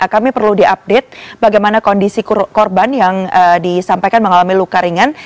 kami perlu diupdate bagaimana kondisi korban yang disampaikan mengalami luka ringan